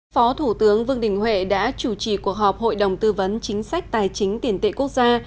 phó thủ tướng vương đình huệ đã chủ trì cuộc họp hội đồng tư vấn chính sách tài chính tiền tệ quốc gia